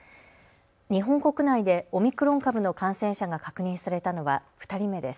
日本国内でオミクロン株の感染者が確認されたのは２人目です。